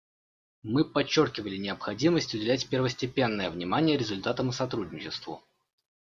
Мы подчеркивали необходимость уделять первостепенное внимание результатам и сотрудничеству.